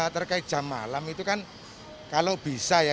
terkait jam malam itu kan kalau bisa ya